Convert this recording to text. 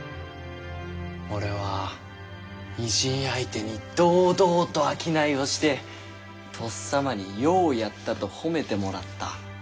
俺は異人相手に堂々と商いをしてとっさまに「ようやった」と褒めてもらった。